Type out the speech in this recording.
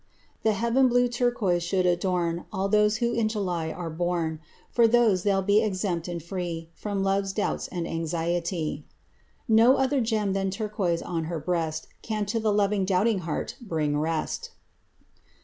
The heav'n blue turquoise should adorn All those who in July are born; For those they'll be exempt and free From love's doubts and anxiety. No other gem than turquoise on her breast Can to the loving, doubting heart bring rest.